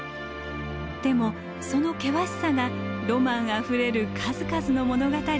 でもその険しさがロマンあふれる数々の物語を生み出しました。